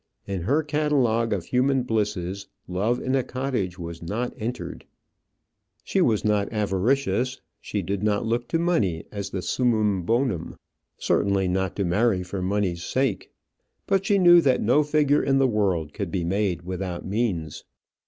In her catalogue of human blisses love in a cottage was not entered. She was not avaricious; she did not look to money as the summum bonum; certainly not to marry for money's sake. But she knew that no figure in the world could be made without means.